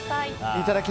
いただき！